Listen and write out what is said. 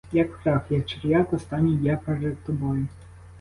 Як прах, як черв'як останній я перед тобою!